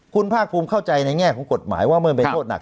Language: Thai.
คุณภาคภูมิเข้าใจในแง่ของกฎหมายว่าเมื่อมีโทษหนัก